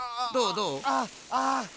どう？